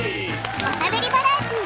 おしゃべりバラエティ